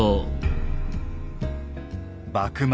幕末